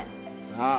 さあ。